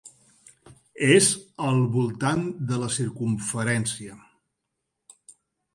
És al voltant de la circumferència.